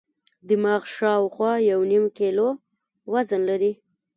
دماغ شاوخوا یو نیم کیلو وزن لري.